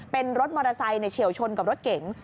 เป็นรถมอเตอร์ไซค์เฉียวชนกับรถเก๋ง